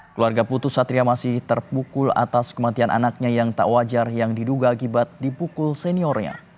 keluarga putus satria masih terpukul atas kematian anaknya yang tak wajar yang diduga akibat dipukul seniornya